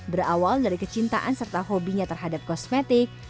berawal dari kecintaan serta hobinya terhadap kosmetik